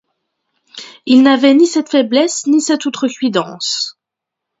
Il n'avait ni cette faiblesse ni cette outrecuidance.